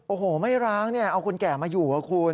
โอ้โหไม่ร้างเนี่ยเอาคนแก่มาอยู่อะคุณ